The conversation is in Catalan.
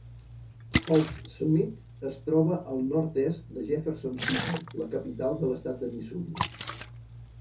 Holts Summit es troba al nord-est de Jefferson City, la capital de l'estat de Missouri.